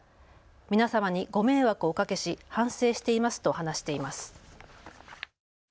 皆様にご迷惑をおかけし反省していますと話しています。